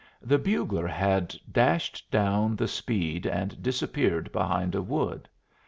The bugler had dashed down the speed and disappeared behind a wood.